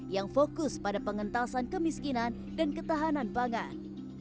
yang fokus pada pengentasan kemiskinan dan ketahanan pangan